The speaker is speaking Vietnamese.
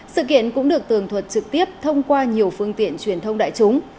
sự kiện cũng được tường thuật trực tiếp thông qua nhiều phương tiện truyền thông đại chúng